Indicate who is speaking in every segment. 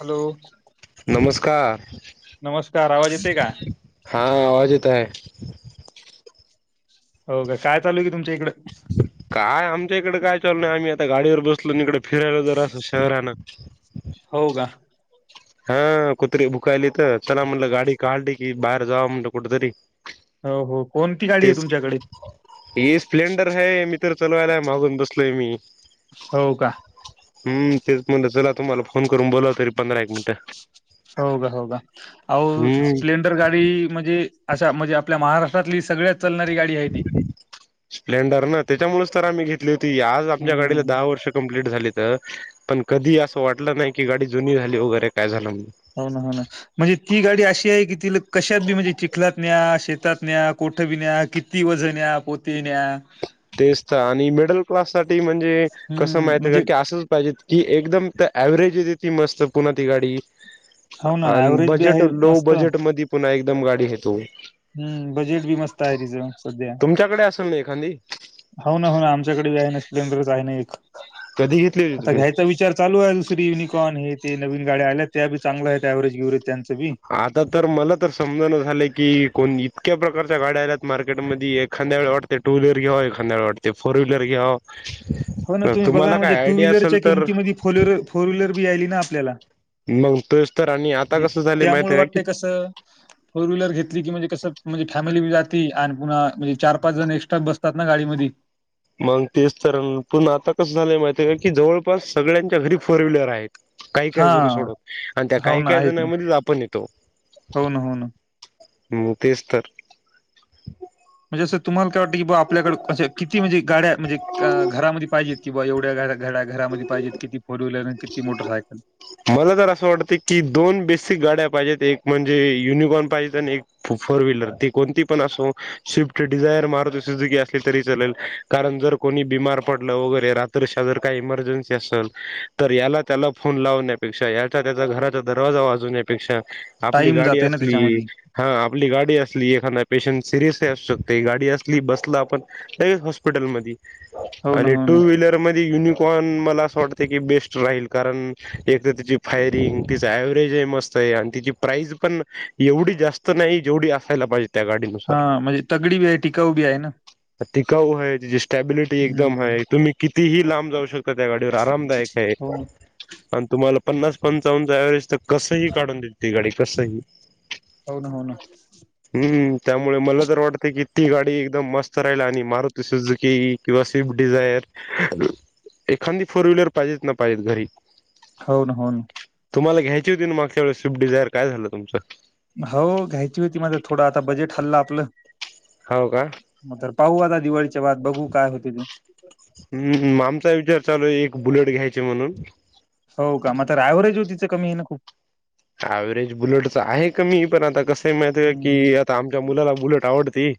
Speaker 1: Hello?
Speaker 2: नमस्कार.
Speaker 1: नमस्कार. आवाज येतय का?
Speaker 2: हा, आवाज येतोय.
Speaker 1: हो का? काय चालू की तुमच्या इकड?
Speaker 2: काय आमच्या इकडे काय चालू नाहीय, आम्ही आता गाडीवर बसलो, इकडे फिरायला जरा अस शहरानं.
Speaker 1: हो का?
Speaker 2: हा, कुतरी भुकायलीत, चला म्हटलं गाडी काढली की, बाहेर जावं म्हणलं कुठतरी.
Speaker 1: हो, हो. कोणती गाडी आहे
Speaker 2: तेच की.
Speaker 1: तुमच्याकडे
Speaker 2: हे स्प्लेंडर है मी तर चलवायला मागून बसलोय मी.
Speaker 1: हो का?
Speaker 2: हम्म, तेच म्हणलं, चला तुम्हाला फोन करून बोला तरी पंधरा, एक मिनिटं.
Speaker 1: हो का? हो का? आवो
Speaker 2: हम्म
Speaker 1: स्प्लेंडर गाडी- म्हणजे अशा म्हणजे, आपल्या महाराष्ट्रातली सगळ्यात चलणारी गाडी आहे ती.
Speaker 2: स्प्लेंडर ना, त्याच्यामुळेच तर आम्ही घेतली होती. आज- आमच्या गाडीला
Speaker 1: हम्म
Speaker 2: दहा वर्ष कंप्लीट झालीत. पण कधी असं वाटलं नाही की, गाडी जुनी झाली वगैरे काय झालं म्हण.
Speaker 1: हो ना, हो ना. म्हणजे ती गाडी अशी आहे की, तिला कशात बी म्हणजे चिखलात न्या, शेतात न्या, कुठं बी न्या, किती- ती वझं न्या, पोती न्या-
Speaker 2: तेच तर आणि मिडल क्लास साठी म्हणजे, कसं
Speaker 1: हम्म
Speaker 2: माहितीय आहे
Speaker 1: म्हणजे
Speaker 2: का, की असंच पाहिजे की एकदम- तर अँव्हरेज देते ती मस्त पुन्हा ती गाडी
Speaker 1: हो ना
Speaker 2: आणि
Speaker 1: ऍव्हरेज बी आहे
Speaker 2: बजेट लो
Speaker 1: मस्त
Speaker 2: बजेट मधी- पुन्हा एकदम गाडी घेतो.
Speaker 1: हम्म, बजेट बी मस्त आहे तिचं सध्या.
Speaker 2: तुमच्याकडे असेल ना एखादी
Speaker 1: हो ना, हो ना, आमच्याकडे आहे ना स्प्लेंडरच आहे ना एक,
Speaker 2: कधी घेतली होती
Speaker 1: आता
Speaker 2: तुम्ही
Speaker 1: घ्यायचा विचार- चालू आहे, दुसरी युनिकॉर्न हे ते नवीन गाड्या आल्या त्या बी चांगल्या आहेत, अँव्हरेज बिव्हरेज त्यांंच बी.
Speaker 2: आता तर मला तर समजाना झालं की, कोण इतक्या प्रकारच्या गाड्या आल्यात मार्केटमध्ये एखांद्या वेळ वाटत- ते टू व्हीलर घेवाव, एखांद्या वेळ वाटते, फोर व्हीलर घेवाव.
Speaker 1: हो ना, तुम्ही बघा ना म्हणजे टू व्हीलरच्या
Speaker 2: तर
Speaker 1: किमतीमध्ये फोर फोर्लर, फोर व्हीलरी आली ना आपल्याला.
Speaker 2: मग तोच तर आणि आता
Speaker 1: म्हणजे
Speaker 2: कसं झालं
Speaker 1: त्यामुळे
Speaker 2: माहीतेय क-
Speaker 1: वाटतंय [inaudible] फोर व्हीलर घेतली की, म्हणजे कसं म्हणजे फॅमिली जाती आणि पुन्हा म्हणजे चार, पाच जण एक्स्ट्रा बसतात ना गाडीमध्ये.
Speaker 2: मग तेच तर पण आता कसं झालंय माहितेय आहे का, की जवळपास सगळ्यांच्या घरी फोर व्हीलर आहेत. काही, काही
Speaker 1: हा
Speaker 2: जण सोडुन आणि त्या
Speaker 1: हो
Speaker 2: काही,
Speaker 1: ना
Speaker 2: काही
Speaker 1: आहेत ना
Speaker 2: जणांमध्येच आपण येतो.
Speaker 1: हो ना हो ना.
Speaker 2: मग तेच तर.
Speaker 1: म्हणजे असं तुम्हाला काय वाटं कि बा, आपल्याडे क किती म्हणे गाड्या म्हणजे, घरामध्ये पाहिजेती किंवा एवढ्या गाड्या. घड्या घरामध्ये पाहिजेत किती फोर व्हीलर अन किती मोटरसायकल
Speaker 2: मला तर अस वाटत की दोन बेसिक गाड्या पाहिजेत. एक म्हणजे युनिकॉर्न पाहिजेत. आणि एक फोर व्हीलर, ती कोणती पण असो स्विफ्ट डिझायर, मारुती सुझुकी असली तरी चालेल. कारण जर कोणी बिमार पडल वगैरे रात तर शेजारी काही इमर्जन्सी असल, तर याला त्याला फोन लाव ण्या पेक्षा, एखाद्याचा घराचा दरवाजा वाजवण्यापेक्षा, आपली
Speaker 1: टाईम
Speaker 2: गाडी
Speaker 1: जाते ना
Speaker 2: असली
Speaker 1: त्याच्यामध्ये
Speaker 2: हां आपली गाडी असली, एखांदा पेशंट सिरियसही असू शकते, गाडी असली, बसल आपण. एक हॉस्पिटल मधी.
Speaker 1: हो ना
Speaker 2: आणि
Speaker 1: हो
Speaker 2: टू
Speaker 1: ना.
Speaker 2: व्हीलर मध्ये युनिकॉर्न मला असं वाटत की बेस्ट राहील कारण एक तर तिची फायरिंग, तिचा व्हरेज आहे. मस्त आहे. आणि तिची प्राईज पण एवढी जास्त जास्त नाही, जेवढी असायला पाहिजे. त्या
Speaker 1: हा
Speaker 2: गाडीनुसार
Speaker 1: म्हणजे तगडी आहे, टिकाऊ बी आहे ना.
Speaker 2: टिकाऊ आहे, त्याची स्टॅबिलिटी एकदम
Speaker 1: हम्म
Speaker 2: आहे, तुम्ही कितीही लांब जाऊ शकता त्या गाडीवर आरामदायक. हे.
Speaker 1: हो ना
Speaker 2: आणि तुम्हाला पन्नास पंचावन्नच च्यावेळीस कसंही काढून दिलती गाडी कसंही
Speaker 1: हो ना
Speaker 2: हम्म, त्यामुळ मला तर वाटत की, ती गाडी एकदम मस्त राहिल आणि मारुती, सुजुकी किंवा स्विफ्ट डिझायर एखादी फोर व्हीलर पाहिजेेत ना पाहिजेच घरी.
Speaker 1: होन, होन.
Speaker 2: तुम्हाला घयची होती ना मागच्या वेळेस स्विफ्ट डिझयर. काय झाल तुमच.
Speaker 1: हो घ्यायची होती माझ थोड आता बजेट हल्लं आपल.
Speaker 2: हव का
Speaker 1: मग तर पाहू आता दिवाळीच्या बाद बघू काय होते ते.
Speaker 2: हम् आमचा विचार चालू आहे एक बुलेट घ्यायचे म्हणून
Speaker 1: हो का, म तर एवरेज ओ, तिच कमी येई ना खूप.
Speaker 2: अव्हरेज बुलेटच हाय कमी, पण आता कसं माहित का,
Speaker 1: हम्म हम्म.
Speaker 2: की आ आमच्या मुलाला बुलेट आवडती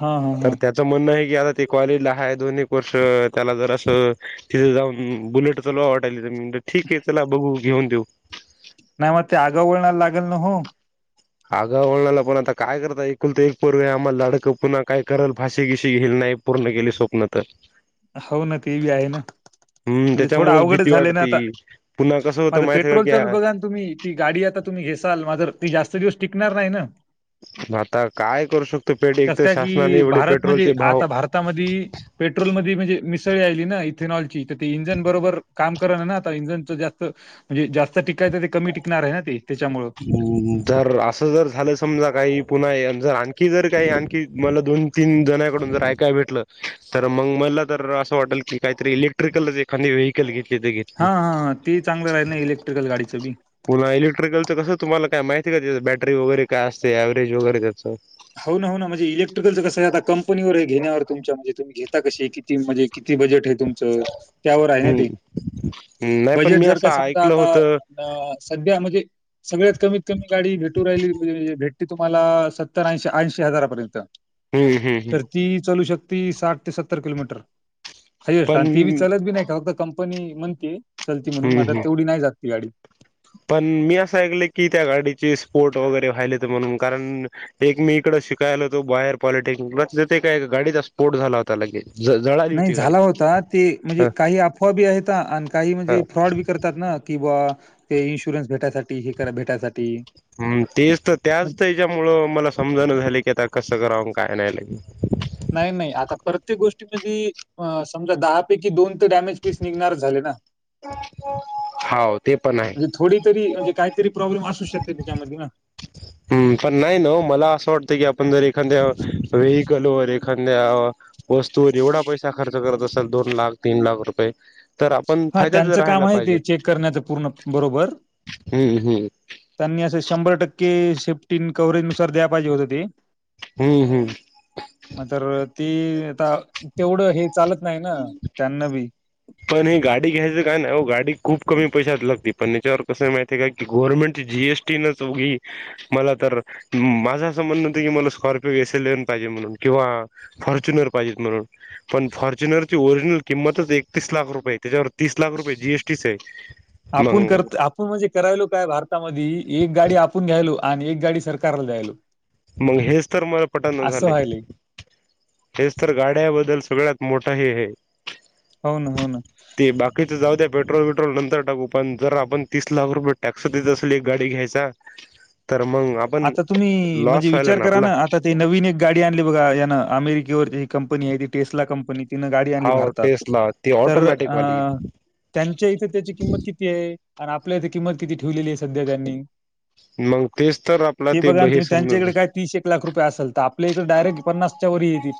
Speaker 1: हां हसन हां.
Speaker 2: त म्हणणं आहे की, आता ते कॉलेजला हाय दोन्ही एक वर्ष, त्याला जर असं तिथे जाऊन बुलेटच लो वाटालीे ठीक आहे चला बघू घेऊन देऊ
Speaker 1: नाही मग ते आगाव वळणाला लागेल ना हो.
Speaker 2: आगाव ओ णाला, पण आता काय करता, ऐकुलत-एक पोरग आम्हाला लाडकं, पुन्हा काय करल फशी-फीशी घेईल नही पूर्ण केली स्वप्न तर
Speaker 1: हो ना ते बी आहे ना.
Speaker 2: हम्म
Speaker 1: म्हणजे थोडा
Speaker 2: त्याच्यामुळेच
Speaker 1: अवघडच
Speaker 2: भीती
Speaker 1: झाले ना आता
Speaker 2: वाटती. पुन्हा कसं
Speaker 1: मग
Speaker 2: होतं
Speaker 1: आता
Speaker 2: माहिती आहे
Speaker 1: पेट्रोलच
Speaker 2: का
Speaker 1: बी बघा ना तुम्ही ती गाडी आता तुम्ही घेसाल मात्र ती जास्त दिवस टिकणार नाही ना.
Speaker 2: मग आता काय करू शकतो पेट, एक
Speaker 1: कसं
Speaker 2: तर
Speaker 1: काय
Speaker 2: शासनाने
Speaker 1: की
Speaker 2: एवढे
Speaker 1: भारत म्हणजे
Speaker 2: पेट्रोलचे भाव
Speaker 1: आता मधी, पेट्रोल म म्हणजे मिसळ्या ली ना इथेनॉलची इंजन बरोबर, काम कराना ना आता इंज जास म्हणजे जास्त टिकायचं ते, कमी टिकणार आहे ना ते त्याच्यामुळे.
Speaker 2: हम्म, जर असं जर झालं समजा काही पुन्हा जर आणखी जर काही आणखी मला दोन तीन जणकडून जर ऐकाय भेटलं, तर मग मला तर असं वाटल की काहीतरी इले ट्रीकल एखदी ववेहिकल घेतली तर घेलती.
Speaker 1: हा-हा ते चांगलं राहिल ना, इलेक्ट्रिकल गाडीचं बी
Speaker 2: पुहा इलेक्ट्रिकलचं कसं तुम्हाला काय माहिती का, त्या बॅटरी वगैरे काय असते, एव्हरेज वगैरे त्याचं.
Speaker 1: हो ना, हो ना म्हणजे इलेक्ट्रिकलचं कसं आहे आता कंपनीवर आहे. घेण्या तुमच्या म्हणजे तुम्ही घेता कशी, किती म्हणजे, किती बजेट. तुमच, त्यावर आहे ना ते,
Speaker 2: हम्म नाही पण
Speaker 1: बजेट
Speaker 2: मी
Speaker 1: जर
Speaker 2: असं
Speaker 1: का समजा
Speaker 2: ऐकलं
Speaker 1: आता
Speaker 2: होतं
Speaker 1: अ सध्या म्हणजे, सगळ्यात कमीत कमी गाडी भेटू राहिली म्हणजे भेटते तुम्हाला स सत्तार ऐं-ऐंशी हजारापर्यंत.
Speaker 2: हम्म-हम्म-हम्म.
Speaker 1: तर ती चलू शकती साठ ते सत्तर किलोमीटर, हायस्ट,
Speaker 2: पण
Speaker 1: आणि ती बी चलत बी नाही, का फक्त क पण हे म्हणते चलते म्हणून
Speaker 2: हम्म
Speaker 1: मला
Speaker 2: हम्म
Speaker 1: तेवढी नाही जात गाडी.
Speaker 2: पण मी असं ऐकलं की त्या गाडीचे स्पोर्ट वगैरे व्हाले तर म्हणून कारण. एक मी इकडं शिकायला होतो, बाहेर पॉलिटेक्निकला तिथे काय गाडीचा स्फोट झाला होता लगेच. ज जळाली
Speaker 1: नाही
Speaker 2: होती गाडी
Speaker 1: झाला होता ते म्हणजे
Speaker 2: ह
Speaker 1: काही अफवा बी आहेत. आणि काही
Speaker 2: ह
Speaker 1: म्हणजे फ्रॉड बी करत तर ना, कि बा ते इन्शुरन्स भेटासाठी, हे कर भेटासाठी.
Speaker 2: हम्म तेच तर त्याच याच्यामुळं मला समजाण झाली की आता कसं करावं काय नाही लगेल.
Speaker 1: नाही-नाही आता प्रत्येक गोष्टीमध्ये अ समजा दहापैकी दोन ते डॅमेज पीस निघणार झाले ना
Speaker 2: हो, ते पण आहे.
Speaker 1: म्हणजे थोडी तरी म्हणजे काहीतरी प्रॉब्लेम असू शकते त्याच्यामध्ये ना.
Speaker 2: हम्म, पण नाही नव, मला असं वाटतं की आपण जर एखाद्या वेहिकल व एखाद्या वस्तूवर एवढा पैसा खर्च करत असाल, दोन लाख, तीन लाख रुपये. तर आपण
Speaker 1: हा
Speaker 2: फायद्यात
Speaker 1: त्यांच काम
Speaker 2: राहायला
Speaker 1: आहे. ते
Speaker 2: पाहिजेत
Speaker 1: चेक करण्याच पूर्ण बरोबर
Speaker 2: हम्म हम्म
Speaker 1: त्यांनी असं शंभर टक्के सेफ्टी कव्हेजनुसार द्या पाहिजे होतं ते.
Speaker 2: हम्म-हम्म
Speaker 1: म तर ती आता तेवढं हे चालत नाही ना, त्यांना बी.
Speaker 2: पण हे गाडी घ्यायचं काय नाही ओ, गाडी खूप कमी पैशात लागते पण याच्यावर कस माहिती आहे का, की गव्हर्नमेंटची जी-एस-टी. तिन सौघी. मला तर माझं असं म्हणं होतं की मला स्कॉर्पिओ एस-एल-एन पाहिजे म्हणून किंवा फॉर्च्युनर पाहिजेत म्हणून, पण फॉ फोर्तुनर ची ओरिजिनल किमतच एकतीस लाख रुपये, त्याच्यावर तीस लाख रुपये जी-एस-टी च आहे.
Speaker 1: आपुण
Speaker 2: मग
Speaker 1: करत आप आपण म्हणजे करायलो काय भारतामध्ये एक गाडी आपण घ्यायलो आणि एक गाडी सरकारला द्यायलो.
Speaker 2: मग हेच तर मला पटन
Speaker 1: असं
Speaker 2: झाले.
Speaker 1: व्हायलंय
Speaker 2: हेच तर गाड्याबद्दल सगळ्यात मोठा हे हे
Speaker 1: हो ना हो ना.
Speaker 2: ते बाकीच जाऊ द्या पेट्रोल वेट्रोल नंतर टाकू पण जर आपण तीस लाख रुपये टॅक्स देत असेल एक गाडी घ्यायचा. तर मग आपण
Speaker 1: आता तुम्ही म्हणजे
Speaker 2: लॉस व्हायला
Speaker 1: विचार करा
Speaker 2: आपला
Speaker 1: ना आता ते नवीन एक गाडी आणली बघा यान अमेरिकेवरची ही कंपनी आहे ती टेस्ला कंपनी तिन गाडी आणली
Speaker 2: हाव
Speaker 1: भारतात
Speaker 2: टेस्ला ती
Speaker 1: तर
Speaker 2: ऑटोमॅटिक वाली
Speaker 1: त्यांच्या इथे त्याची किंमत किती किती आहे आणि आपल्या इथे किंमत किती ठेवलेली आहे सध्या त्यांनी.
Speaker 2: मग तेच तर आपला
Speaker 1: ते बघा ना
Speaker 2: हे
Speaker 1: तुम्ही
Speaker 2: समज
Speaker 1: त्यांच्याकडे का तीस एक लाख रुपय असल तर आपल्या इकडे डायरेट पन्नासच्या व येती.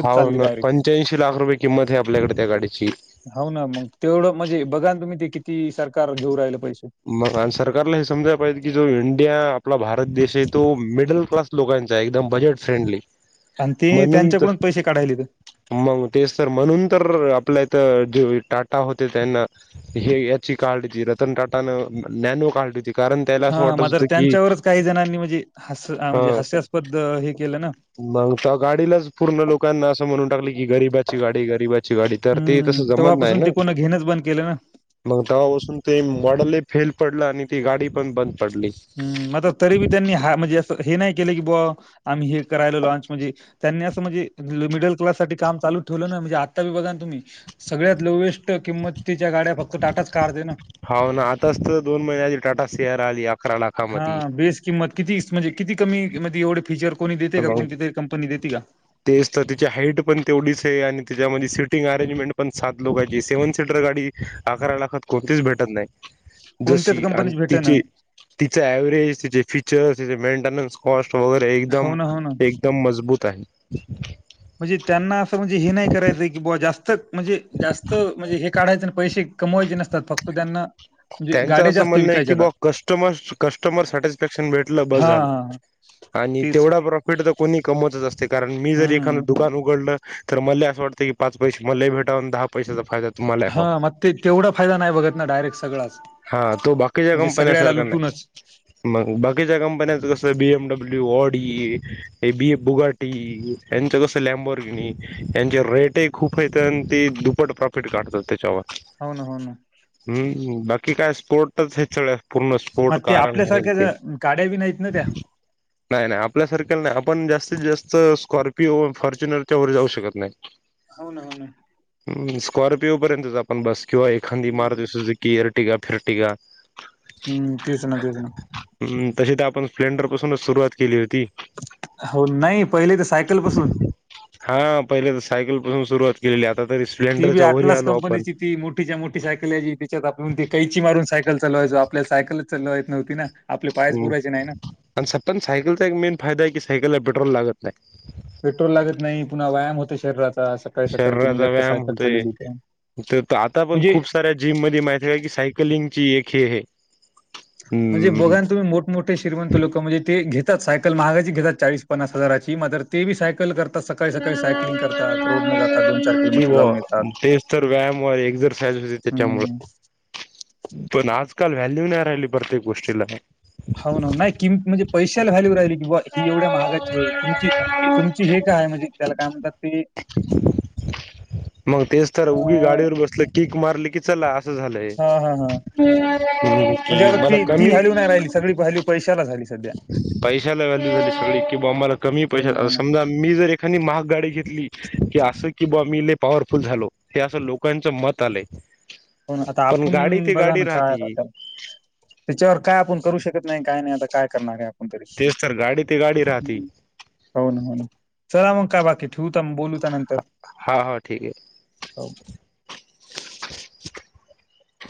Speaker 2: हा ना पंच्याऐंशी लाख रुपये किंमत आहे आपल्याकडे त्या गाडीची.
Speaker 1: हो ना मग तेवढं म्हणजे बघा ना तुम्ही ते किती सरकार घेऊ राहिल पैसे.
Speaker 2: मग आणि सरकारला हे समजायला पाहिजे की जो इंडिया आपला भारत देश आहे तो मिडल क्लास लोकांचा एकदम बजेट फ्रेंडली
Speaker 1: आणि ते
Speaker 2: म्हणून त
Speaker 1: त्यांच्याकडून पैसे काढायले ते.
Speaker 2: मग तेच तर म्हणून तर आपल्या इथं जे टाटा होते त्यांना हे याची काल्टटीची रतन टाटा न नॅनो कालिटी
Speaker 1: हा मात्र त्यांच्यावरच काही जणांनी म्हणजे ह्य
Speaker 2: अ
Speaker 1: म्हणजे हास्यास्पद हे केलं ना
Speaker 2: मग तर गाडीलाच पूर्ण लोकांना असं म्हणून टाकली की गरीबाची गाडी गरीबा ची गाडी तर ते
Speaker 1: हम्म
Speaker 2: तसं जमत नाही
Speaker 1: तेव्हापासून
Speaker 2: ना.
Speaker 1: ते कोण घेणंच बंद केलं ना.
Speaker 2: मग तवा पासून ते माडल लय फेल पडलं आणि ती गाडी पण बंद पडली.
Speaker 1: ह् म्र तरी बी त्यांनी हा म्हणजे हे नाही केलं की बा आम्ही हे करायला लाॅनच म्हणजे त्यांनी असं म्हणजे मिडल क्लाससाठी काम चालू ठेवलं नाही म्हणजे आत्ता बी बघा ना तुम्ही सगळ्यात लोएस्ट किंमतीच्या गाड्या फक्त टाटाच काढते ना.
Speaker 2: हो ना आताच तर दोन महिन्या टाटा शेअर आली. अकरा
Speaker 1: हा
Speaker 2: लाखामध्ये
Speaker 1: बेस किंमत किती म्हणजे किती कमी म्हज एवढे फीचर कोणी देते का
Speaker 2: मग
Speaker 1: कोणती कंपनी देत का?
Speaker 2: तेच तर तिची हाईट पण तेवढीच आहे आणि त्याच्यामध्ये सिटिंग अरेंजमेंट पण सात लोकांची सेव्हन सीटर गाडी अकरा लाखात कोणतीच भेटत नाही
Speaker 1: कोणत्याच
Speaker 2: जशी आणि
Speaker 1: कंपनीच भेटेना.
Speaker 2: तिची तिचा ऍव्हरेज तिचे फीचर्स तिचे मेंटेनन्स कॉस्ट वगैरे एकदम
Speaker 1: हो ना
Speaker 2: एकदम मजबूत आहे.
Speaker 1: म्हणजे त्यांना असं म्हणजे हे नाही करायचं की बा जास्त म्हणजे जास्त म्हणजे हे काढायचं पैसे कमवायचे नस त फक्त त्यांना म्हणजे
Speaker 2: त्यांचं
Speaker 1: गाड्या
Speaker 2: असं
Speaker 1: जास्त
Speaker 2: म्हणणं आहे की
Speaker 1: विकायच्या आता.
Speaker 2: बा कस्टमर कस्टमर सॅटिस्फॅक्शन भेटलं बस झालं.
Speaker 1: हां, हां.
Speaker 2: आणि
Speaker 1: तेच.
Speaker 2: तेवढा प्रॉफिट तर कोणी कमवतच असते कारण मी जर एखादं
Speaker 1: हं.
Speaker 2: दुकान उघडलं तर मला असं वाटतं की पाच पैसे मला भेटावून दहा पैशाचा फायदा तुम्हाला हवा.
Speaker 1: हां, मग तेवढा फायदा नाही बघत ना डायरेट सगळ
Speaker 2: हा तो बाकीच्या कंपन्या सारख नाही. मग बाकीच्या कंपन्यांचं कसं बीएमडब्ल्यू, ऑडी हे बी ए बुगाटी यांचं कसं लॅम्बॉरगिणी यांचे रेटही खूप आहेते आणि ते दुपट प्रॉफिट काढतात त्याच्यावर.
Speaker 1: हो ना हो ना
Speaker 2: हम्म बाकी काय स्पोर्टच हे सगळ पूर्ण पोट
Speaker 1: मग ते
Speaker 2: कारण हे
Speaker 1: आपल्यासारख्या
Speaker 2: ते
Speaker 1: ज्या गाड्या बी नाहीत ना त्या.
Speaker 2: नाही नाही आपल्यासारख्याला नाही आपण जास्तीत जास्त स्कॉर्पिओ, फॉर्च्युनरच्या वर जाऊ शकत नाही.
Speaker 1: हो ना हो ना‌.
Speaker 2: हम्म स्कॉर्पिओ पर्यंतच आपण बस किंवा एखादी
Speaker 1: हं.
Speaker 2: मारूती सुजूकी एर इरटिका फिरटिका.
Speaker 1: हम्म तेच ना तेच ना.
Speaker 2: हम तशी तर आपण स्प्लेंडर पासूनच सुरुवात केली होती.
Speaker 1: हो नाही पहिले तर सायकल पासून.
Speaker 2: हा पहिले तर सायकल पासून सुरुवात केलेली आता तरी
Speaker 1: ती बी
Speaker 2: स्प्लेंडरच्या वरी आलो आपण.
Speaker 1: कंपनीची ती मोठीच्या मोठी सायकल आहे जी त्याच्यात आपलं त ते कैची मारून सायकल चलवायचो आपल्या सायकलच चलवायला येत नव्हती ना. आपले पायच
Speaker 2: हम्म
Speaker 1: पुरायचे नाही ना.
Speaker 2: तसापण सायकलचा एक मेन फायदा आहे कि सायकलला पेट्रोल लागत नाही.
Speaker 1: पेट्रोल लागत नाही पुन्हा व्यायाम होतो शरीराचा अस.
Speaker 2: शरीराचा व्यायाम होतय तर आता पण
Speaker 1: म्हणजे
Speaker 2: खूप साऱ्या जिम मध्ये माहि ज की सायकलिंग ची एक हे आहे.
Speaker 1: म्हणजे
Speaker 2: हम्म
Speaker 1: बघान तुम्ही मोठ मोठे श्रीमंत लोक म्हणजे ते घेतात सायकल महागाची घेतात चाळीस पन्सास हजारची मात्र ते बी सायकल कर किलोमीटर
Speaker 2: किंवा
Speaker 1: जाऊन येतात.
Speaker 2: तेच तर व्यायाम व एक्झरसाइज. त्याच्यामुळ
Speaker 1: हं.
Speaker 2: पण आजकाल व्हॅल्यू नाही राहिली प्रत्येक गोष्टीला.
Speaker 1: हो ना नाही किम म्हणजे पैशाला व्हॅल्यू राहिली किंवा ही एवढ्या महागाची आहे तुमची. तुमची हे काय म्हणजे त्याला काय म्हणतात ते.
Speaker 2: मग तेच तर
Speaker 1: अ,
Speaker 2: उगी गाडीवर बसलं कीक मारली की. चला अस झालय
Speaker 1: हां, हां, हां.
Speaker 2: की
Speaker 1: म्हणजे आता
Speaker 2: मला
Speaker 1: ती
Speaker 2: कमी
Speaker 1: [unintelligible] सगळी पाहिली पैशाला झाली. सध्या.
Speaker 2: पैशाला व्हॅल्यू झाली सगळी कि बाबा मला कमी
Speaker 1: हो
Speaker 2: पैश
Speaker 1: ना, हो ना,
Speaker 2: समजा मी जर एखादी महाग गाडी घेतली की अस की बा मी लय पॉवरफुल झालो. हे अस लोकांच मत आलय.
Speaker 1: हो ना आता आपण बघा ना [unintelligible] त्याच्यावर काय आपण करू शकत नाही काय नाही आता काय करणारय आ
Speaker 2: तेच तर गाडी ते गाडी राहते.
Speaker 1: हो ना हो ना चला मग काय बाकी ठेवूत बोलू नंतर.
Speaker 2: हा हा ठीक आहे.
Speaker 1: हो